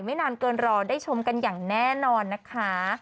นานเกินรอได้ชมกันอย่างแน่นอนนะคะ